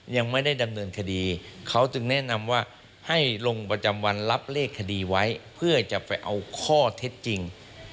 ยังไม่ได้ดำเนินคดีเขาจึงแนะนำว่าให้ลงประจำวันรับเลขคดีไว้เพื่อจะไปเอาข้อเท็จจริง